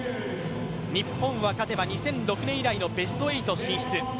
日本は勝てば２００６年以来のベスト８進出。